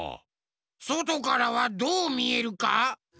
そとからはどうみえるか？